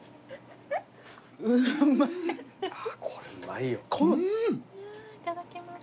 いただきます。